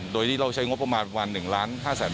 โดยที่เราใช้งบประมาณ๑๕๐๐๐๐๐บาท